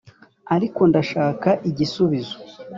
ariko ndashaka igisubizo